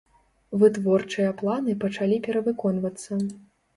Вытворчыя планы пачалі перавыконвацца.